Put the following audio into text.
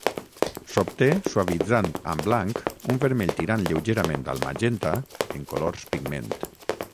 S'obté suavitzant amb blanc un vermell tirant lleugerament al magenta en colors pigment.